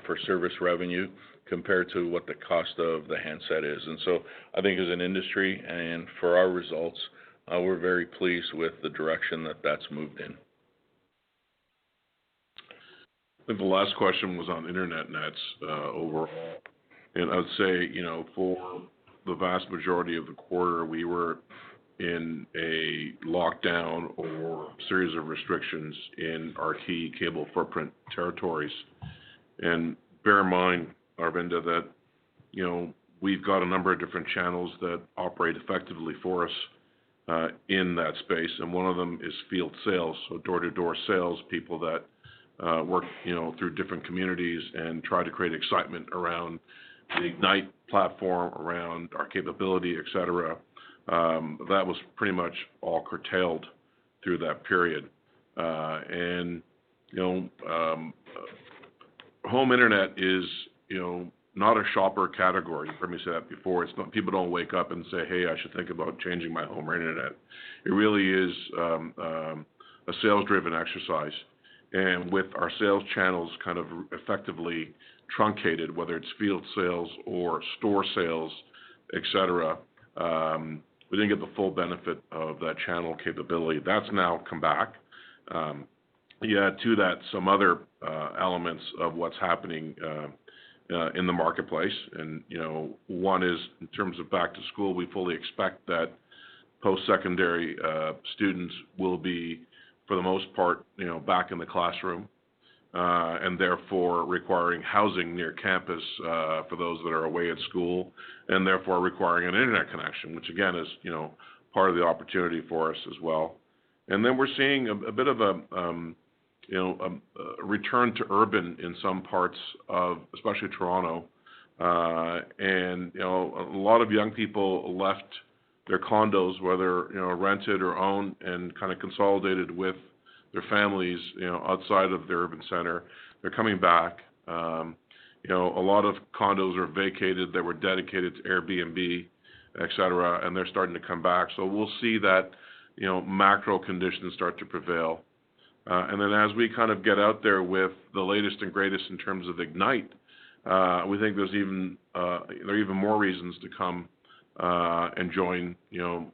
for service revenue compared to what the cost of the handset is. I think as an industry and for our results, we're very pleased with the direction that that's moved in. I think the last question was on internet nets overall, and I'd say for the vast majority of the quarter, we were in a lockdown or series of restrictions in our key cable footprint territories. Bear in mind, Aravinda, that we've got a number of different channels that operate effectively for us in that space, and one of them is field sales. Door-to-door salespeople that work through different communities and try to create excitement around the Ignite platform, around our capability, et cetera. That was pretty much all curtailed through that period. Home internet is not a shopper category. You've heard me say that before. People don't wake up and say, "Hey, I should think about changing my home internet." It really is a sales-driven exercise. With our sales channels kind of effectively truncated, whether it's field sales or store sales, et cetera, we didn't get the full benefit of that channel capability. That's now come back. You add to that some other elements of what's happening in the marketplace. One is in terms of back to school, we fully expect that post-secondary students will be, for the most part, back in the classroom. Therefore requiring housing near campus for those that are away at school. Therefore requiring an internet connection, which again is part of the opportunity for us as well. We're seeing a bit of a return to urban in some parts of especially Toronto. A lot of young people left their condos, whether rented or owned, and kind of consolidated with their families outside of their urban center. They're coming back. A lot of condos are vacated that were dedicated to Airbnb. Et cetera, they're starting to come back. We'll see that macro conditions start to prevail. As we get out there with the latest and greatest in terms of Ignite, we think there are even more reasons to come and join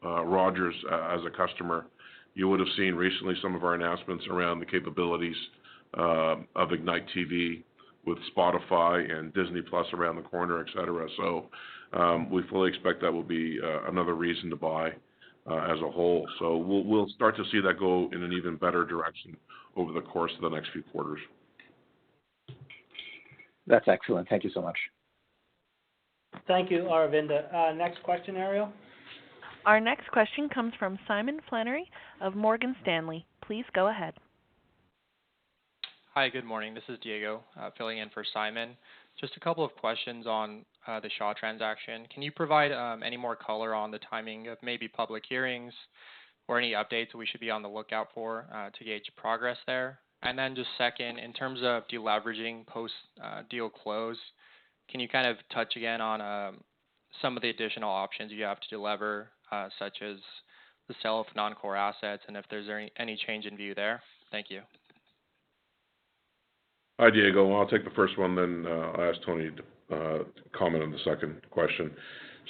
Rogers as a customer. You would've seen recently some of our announcements around the capabilities of Ignite TV with Spotify and Disney+ around the corner, et cetera. We fully expect that will be another reason to buy as a whole. We'll start to see that go in an even better direction over the course of the next few quarters. That's excellent. Thank you so much. Thank you, Aravinda. Next question, Ariel. Our next question comes from Simon Flannery of Morgan Stanley. Please go ahead. Hi. Good morning. This is Diego, filling in for Simon. Just a couple of questions on the Shaw transaction. Can you provide any more color on the timing of maybe public hearings or any updates we should be on the lookout for to gauge progress there? Then just second, in terms of deleveraging post-deal close, can you touch again on some of the additional options you have to delever such as the sale of non-core assets, and if there's any change in view there? Thank you. Hi, Diego. I'll take the first one, then I'll ask Tony to comment on the second question.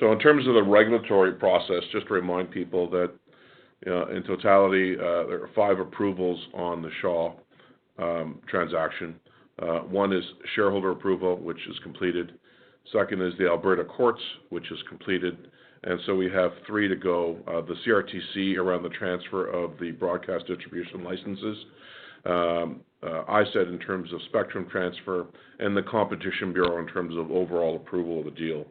In terms of the regulatory process, just to remind people that in totality, there are 5 approvals on the Shaw transaction. One is shareholder approval, which is completed. Second is the Alberta courts, which is completed. We have 3 to go. The CRTC around the transfer of the broadcast distribution licenses. I said in terms of spectrum transfer and the Competition Bureau in terms of overall approval of the deal.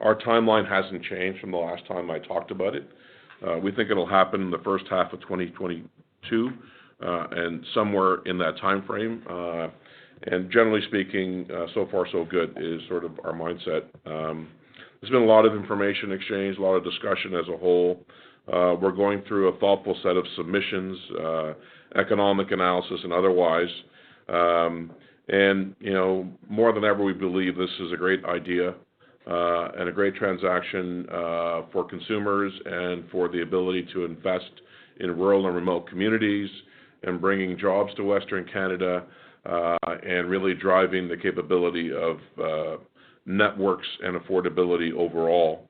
Our timeline hasn't changed from the last time I talked about it. We think it'll happen in the first half of 2022, and somewhere in that timeframe. Generally speaking, so far so good is sort of our mindset. There's been a lot of information exchanged, a lot of discussion as a whole. We're going through a thoughtful set of submissions, economic analysis and otherwise. More than ever, we believe this is a great idea, and a great transaction for consumers and for the ability to invest in rural and remote communities, and bringing jobs to Western Canada, and really driving the capability of networks and affordability overall.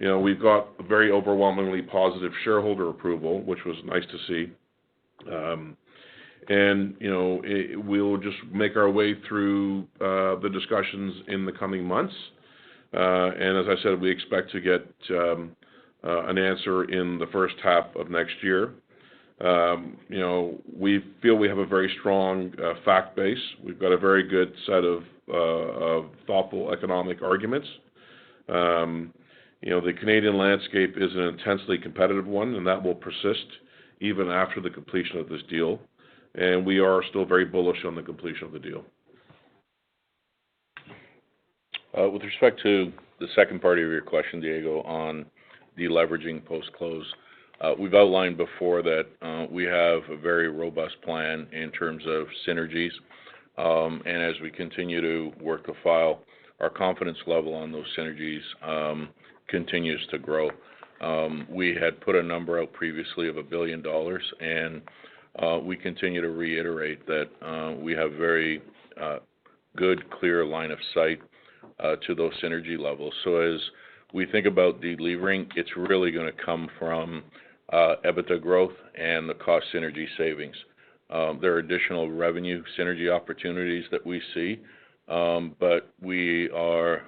We've got very overwhelmingly positive shareholder approval, which was nice to see. We'll just make our way through the discussions in the coming months. As I said, we expect to get an answer in the first half of next year. We feel we have a very strong fact base. We've got a very good set of thoughtful economic arguments. The Canadian landscape is an intensely competitive one, and that will persist even after the completion of this deal, and we are still very bullish on the completion of the deal. With respect to the second part of your question, Diego, on deleveraging post-close. We've outlined before that we have a very robust plan in terms of synergies. As we continue to work the file, our confidence level on those synergies continues to grow. We had put a number out previously of 1 billion dollars, and we continue to reiterate that we have very good, clear line of sight to those synergy levels. As we think about delevering, it's really gonna come from EBITDA growth and the cost synergy savings. There are additional revenue synergy opportunities that we see. We are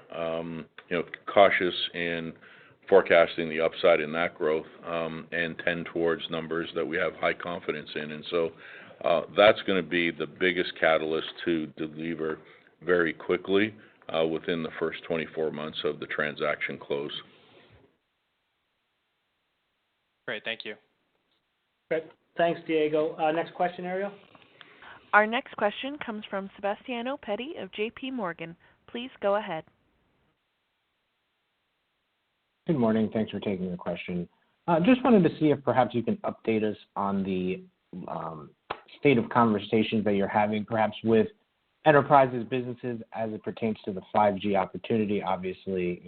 cautious in forecasting the upside in that growth, and tend towards numbers that we have high confidence in. That's gonna be the biggest catalyst to delever very quickly within the first 24 months of the transaction close. Great. Thank you. Great. Thanks, Diego. Next question, Ariel. Our next question comes from Sebastiano Petti of JP Morgan. Please go ahead. Good morning. Thanks for taking the question. Just wanted to see if perhaps you can update us on the state of conversations that you're having, perhaps with enterprises, businesses as it pertains to the 5G opportunity. Obviously,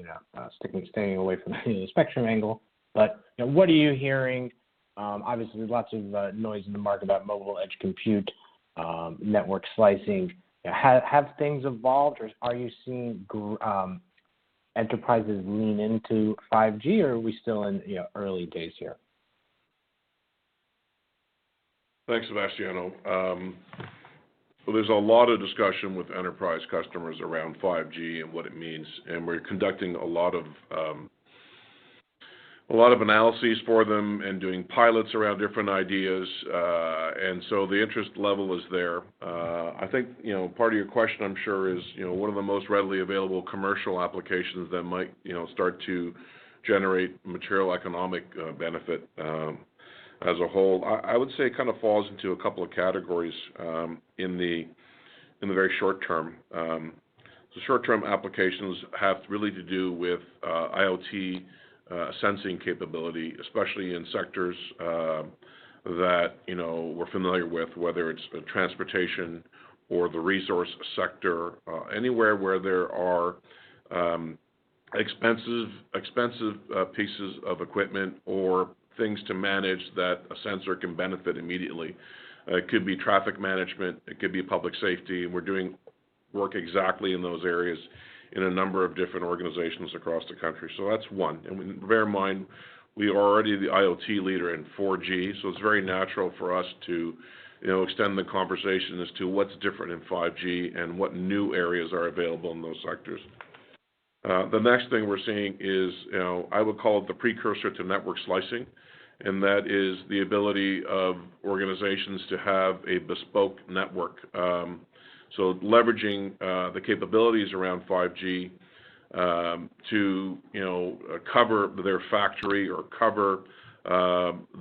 staying away from the spectrum angle, but what are you hearing? Obviously, there's lots of noise in the market about mobile edge compute, network slicing. Have things evolved or are you seeing enterprises lean into 5G or are we still in early days here? Thanks, Sebastiano. There's a lot of discussion with enterprise customers around 5G and what it means, and we're conducting a lot of analyses for them and doing pilots around different ideas. The interest level is there. I think part of your question, I'm sure, is what are the most readily available commercial applications that might start to generate material economic benefit as a whole. I would say it kind of falls into a couple of categories in the very short term. Short term applications have really to do with IoT sensing capability, especially in sectors that we're familiar with, whether it's transportation or the resource sector, anywhere where there are expensive pieces of equipment or things to manage that a sensor can benefit immediately. It could be traffic management, it could be public safety, and we're doing work exactly in those areas in a number of different organizations across the country. That's one. Bear in mind, we are already the IoT leader in 4G, so it's very natural for us to extend the conversation as to what's different in 5G and what new areas are available in those sectors. The next thing we're seeing is, I would call it the precursor to network slicing, and that is the ability of organizations to have a bespoke network. Leveraging the capabilities around 5G to cover their factory or cover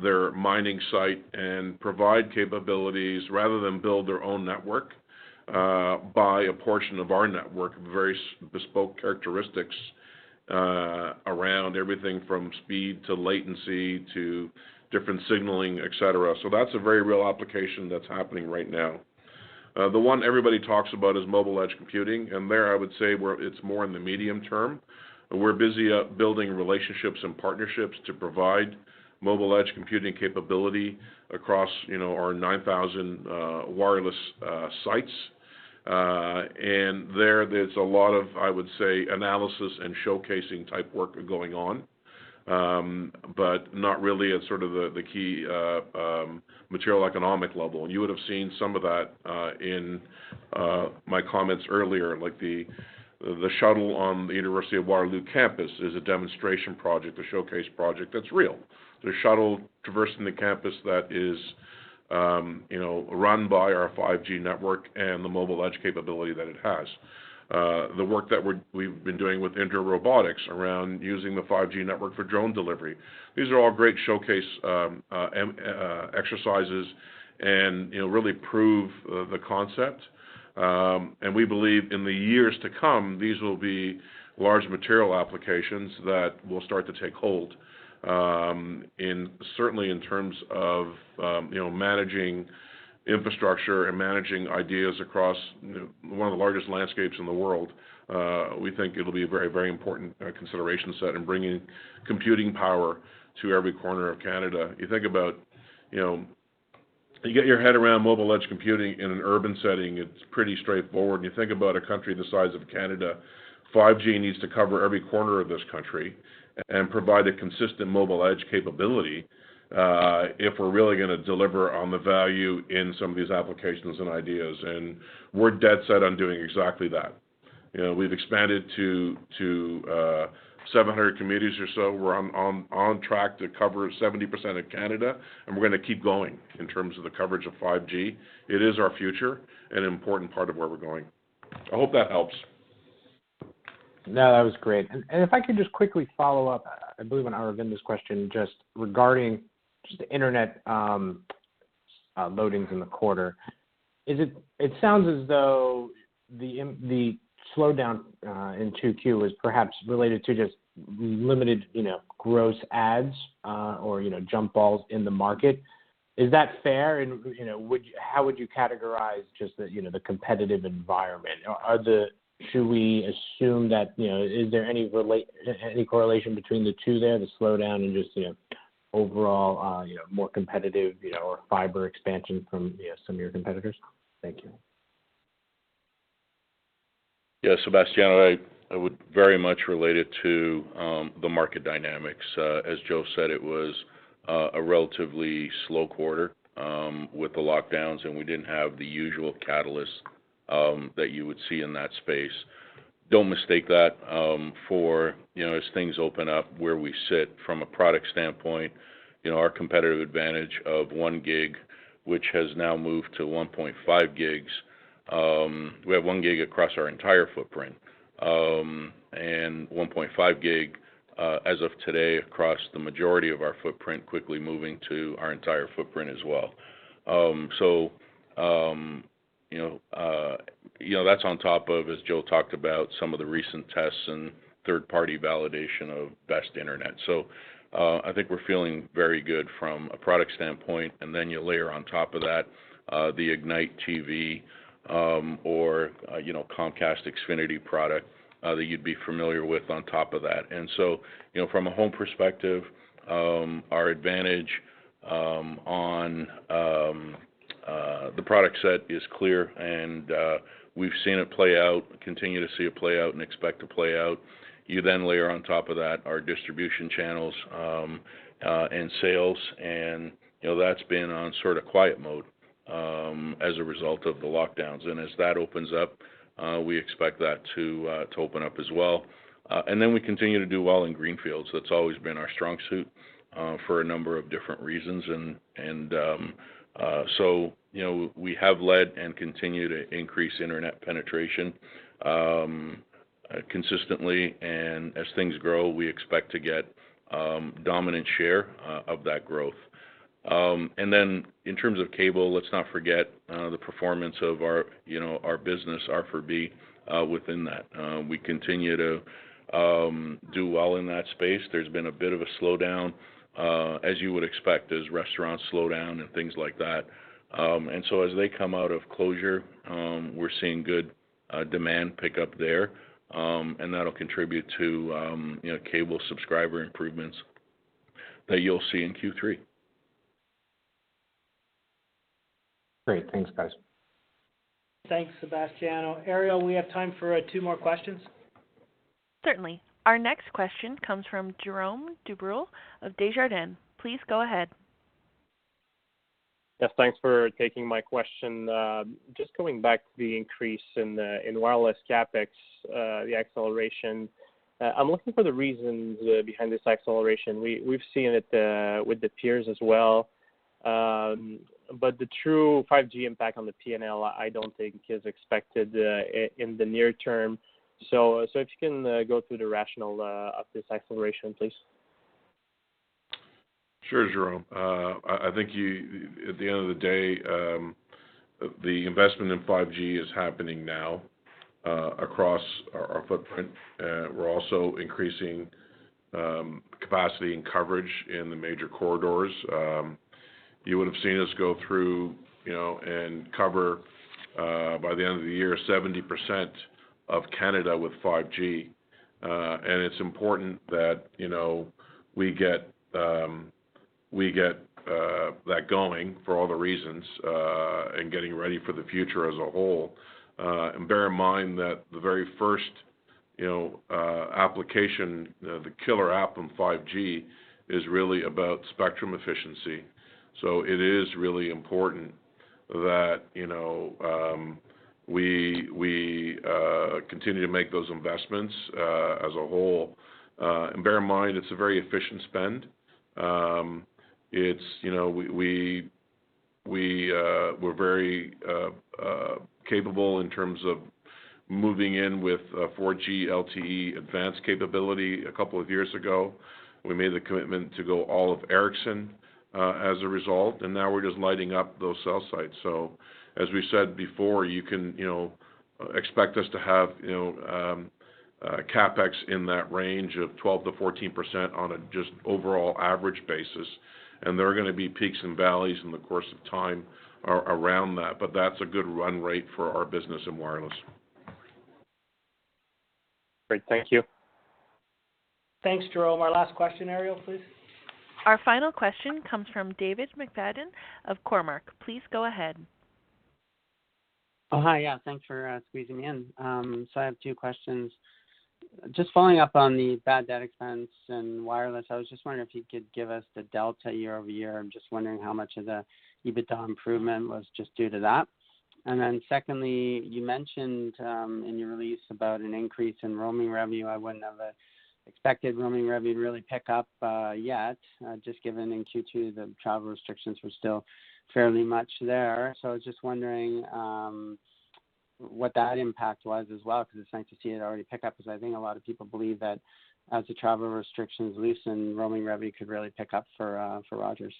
their mining site and provide capabilities rather than build their own network, buy a portion of our network, very bespoke characteristics around everything from speed to latency to different signaling, et cetera. That's a very real application that's happening right now. The one everybody talks about is mobile edge computing. There, I would say it's more in the medium term. We're busy building relationships and partnerships to provide mobile edge computing capability across our 9,000 wireless sites. There, there's a lot of, I would say, analysis and showcasing type work going on. Not really at sort of the key material economic level. You would've seen some of that in my comments earlier, like the shuttle on the University of Waterloo campus is a demonstration project, a showcase project that's real. There's a shuttle traversing the campus that is run by our 5G network and the mobile edge capability that it has. The work that we've been doing with InDro Robotics around using the 5G network for drone delivery. These are all great showcase exercises really prove the concept. We believe in the years to come, these will be large material applications that will start to take hold. Certainly in terms of managing infrastructure and managing ideas across one of the largest landscapes in the world, we think it'll be a very important consideration set in bringing computing power to every corner of Canada. You get your head around mobile edge computing in an urban setting, it's pretty straightforward. You think about a country the size of Canada, 5G needs to cover every corner of this country and provide a consistent mobile edge capability, if we're really going to deliver on the value in some of these applications and ideas. We're dead set on doing exactly that. We've expanded to 700 communities or so. We're on track to cover 70% of Canada, and we're going to keep going in terms of the coverage of 5G. It is our future, an important part of where we're going. I hope that helps. No, that was great. If I could just quickly follow up, I believe on Aravinda's question, just regarding just the internet loadings in the quarter. It sounds as though the slowdown in 2Q was perhaps related to just limited gross adds or jump balls in the market. Is that fair? How would you categorize just the competitive environment? Is there any correlation between the two there, the slowdown and just the overall more competitive or fiber expansion from some of your competitors? Thank you. Sebastiano, I would very much relate it to the market dynamics. As Joe said, it was a relatively slow quarter with the lockdowns, and we didn't have the usual catalyst that you would see in that space. Don't mistake that for, as things open up, where we sit from a product standpoint, our competitive advantage of 1 gig, which has now moved to 1.5 gigs. We have 1 gig across our entire footprint, and 1.5 gig, as of today, across the majority of our footprint, quickly moving to our entire footprint as well. That's on top of, as Joe talked about, some of the recent tests and third-party validation of best internet. I think we're feeling very good from a product standpoint. Then you layer on top of that the Ignite TV or Comcast Xfinity product that you'd be familiar with on top of that. From a home perspective, our advantage on the product set is clear, and we've seen it play out, continue to see it play out, and expect to play out. Layer on top of that our distribution channels and sales, and that's been on sort of quiet mode as a result of the lockdowns. As that opens up, we expect that to open up as well. We continue to do well in greenfields. That's always been our strong suit for a number of different reasons. We have led and continue to increase internet penetration consistently. As things grow, we expect to get dominant share of that growth. In terms of cable, let's not forget the performance of our business, R4B, within that. We continue to do well in that space. There's been a bit of a slowdown, as you would expect, as restaurants slow down and things like that. As they come out of closure, we're seeing good demand pick up there. That'll contribute to cable subscriber improvements that you'll see in Q3. Great. Thanks, guys. Thanks, Sebastiano. Ariel, we have time for 2 more questions. Certainly. Our next question comes from Jerome Dubreuil of Desjardins. Please go ahead. Yes, thanks for taking my question. Just coming back to the increase in wireless CapEx, the acceleration, I'm looking for the reasons behind this acceleration. We've seen it with the peers as well, the true 5G impact on the P&L, I don't think is expected in the near term. If you can go through the rationale of this acceleration, please. Sure, Jerome. I think at the end of the day, the investment in 5G is happening now across our footprint. We're also increasing capacity and coverage in the major corridors. You would've seen us go through and cover by the end of the year 70% of Canada with 5G. It's important that we get that going for all the reasons, and getting ready for the future as a whole. Bear in mind that the very first application, the killer app in 5G, is really about spectrum efficiency. It is really important that we continue to make those investments as a whole. Bear in mind, it's a very efficient spend. We're very capable in terms of moving in with 4G LTE advanced capability a couple of years ago. We made the commitment to go all of Ericsson as a result. Now we're just lighting up those cell sites. As we said before, you can expect us to have CapEx in that range of 12%-14% on a just overall average basis. There are going to be peaks and valleys in the course of time around that's a good run rate for our business in wireless. Great. Thank you. Thanks, Jerome. Our last question, Ariel, please. Our final question comes from David McFadgen of Cormark. Please go ahead. Hi. Thanks for squeezing me in. I have two questions. Following up on the bad debt expense and wireless, I was just wondering if you could give us the delta year-over-year. I'm just wondering how much of the EBITDA improvement was just due to that. Secondly, you mentioned in your release about an increase in roaming revenue. I wouldn't have expected roaming revenue to really pick up yet, just given in Q2 the travel restrictions were still fairly much there. I was just wondering what that impact was as well, because it's nice to see it already pick up as I think a lot of people believe that as the travel restrictions loosen, roaming revenue could really pick up for Rogers.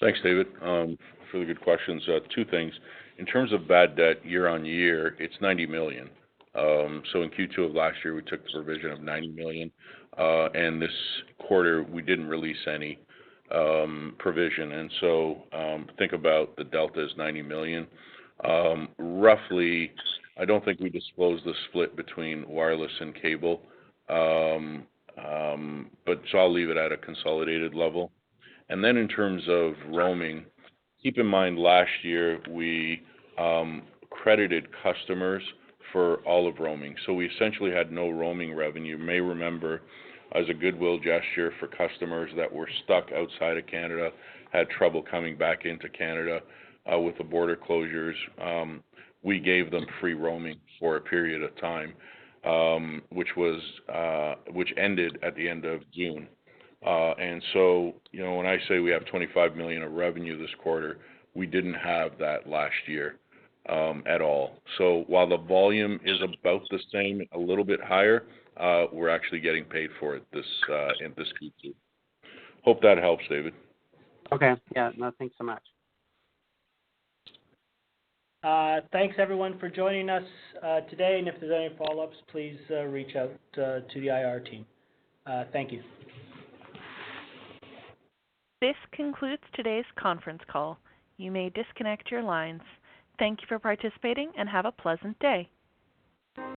Thanks, David, for the good questions. Two things. In terms of bad debt year-over-year, it's 90 million. In Q2 of last year, we took the provision of 90 million. This quarter we didn't release any provision. Think about the delta as 90 million. Roughly, I don't think we disclosed the split between wireless and cable. I'll leave it at a consolidated level. In terms of roaming, keep in mind last year we credited customers for all of roaming. We essentially had no roaming revenue. You may remember as a goodwill gesture for customers that were stuck outside of Canada, had trouble coming back into Canada with the border closures, we gave them free roaming for a period of time, which ended at the end of June. When I say we have 25 million of revenue this quarter, we didn't have that last year at all. While the volume is about the same, a little bit higher, we're actually getting paid for it in this Q2. Hope that helps, David. Okay. Yeah, no, thanks so much. Thanks everyone for joining us today, and if there's any follow-ups, please reach out to the IR team. Thank you. This concludes today's conference call. You may disconnect your lines. Thank you for participating, and have a pleasant day.